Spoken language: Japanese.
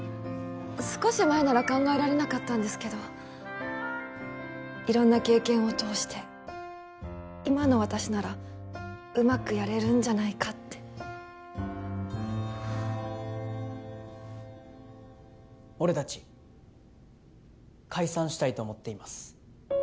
少し前なら考えられなかったんですけど色んな経験を通して今の私ならうまくやれるんじゃないかって俺達解散したいと思っています